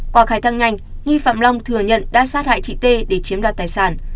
qua khai thăng nhanh nghi phạm long thừa nhận đã sát hại chị tê để chiếm đoạt tài sản